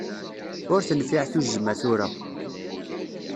Ur tenfiɛ tuzzma, tura.